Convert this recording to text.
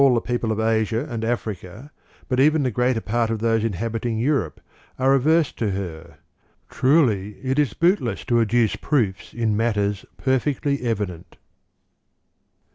XV] DE MONARCHIA 193 people of Asia and Africa, but even the greater part of those inhabiting Europe, are averse to her. Truly, it is bootless to adduce proofs in matters perfectly evident.